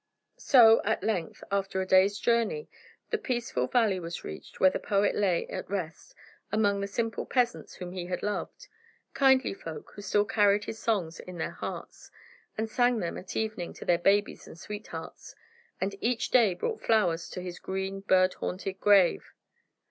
So, at length, after a day's journey, the peaceful valley was reached where the poet lay at rest among the simple peasants whom he had loved kindly folk who still carried his songs in their hearts, and sang them at evening to their babies and sweethearts, and each day brought flowers to his green, bird haunted grave.